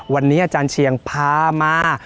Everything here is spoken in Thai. วันนี้อาจารย์เชียงพามา